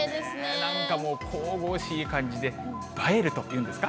なんかもう神々しい感じで、映えるというんですか。